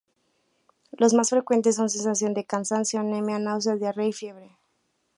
Los más frecuentes son sensación de cansancio, anemia, náuseas, diarrea y fiebre.